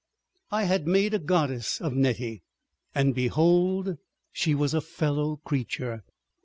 ... I had made a goddess of Nettie, and behold she was a fellow creature!